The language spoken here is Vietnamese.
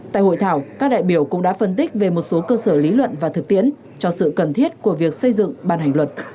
tại hội thảo các đại biểu cũng đã phân tích về một số cơ sở lý luận và thực tiễn cho sự cần thiết của việc xây dựng ban hành luật